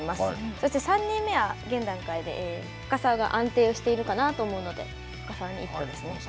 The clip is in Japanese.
そして３人目は、現段階で、深沢が安定をしているのかなと思うので、深沢に。